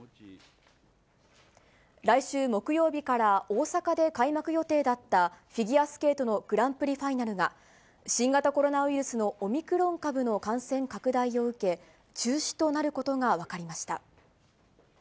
来週木曜日から大阪で開幕予定だったフィギュアスケートのグランプリファイナルが、新型コロナウイルスのオミクロン株の感染拡大を受け、中止となることが分かりました。